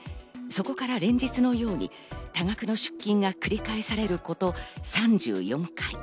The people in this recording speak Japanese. そこから連日のように多額の出金が繰り返されること３４回。